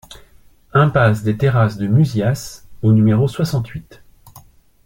Impasse des Terrasses de Muzias au numéro soixante-huit